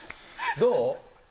どう？